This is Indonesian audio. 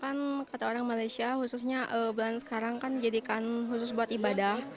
kebanyakan sih enggak soalnya kan kata orang malaysia khususnya bulan sekarang kan dijadikan khusus buat ibadah